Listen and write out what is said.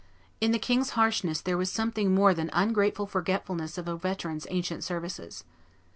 In the king's harshness there was something more than ungrateful forgetfulness of a veteran's ancient services.